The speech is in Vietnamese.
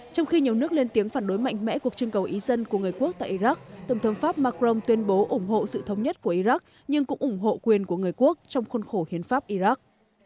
trong khi nhiều nước lên tiếng phản đối mạnh mẽ cuộc trưng cầu ý dân của người quốc tại iraq tổng thống pháp macron tuyên bố ủng hộ sự thống nhất của iraq nhưng cũng ủng hộ quyền của người quốc trong khuôn khổ hiến pháp iraq